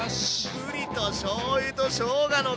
ぶりとしょうゆとしょうがの香り！